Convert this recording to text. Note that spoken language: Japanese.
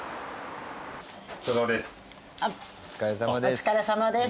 お疲れさまです。